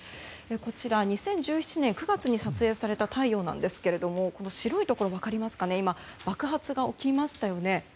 こちらは２０１７年９月に撮影された太陽ですが白いところ、分かりますか今、爆発が起きましたよね。